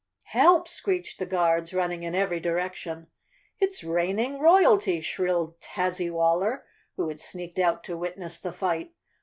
"Help!" screeched the Guards running in every di¬ rection. " It's raining royalty! " shrilled Tazzywaller, who had sneaked out to witness the fight.